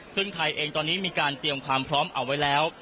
ซึ่งไทยเองตอนนี้มีการเตรียมความพร้อมเอาไว้แล้ว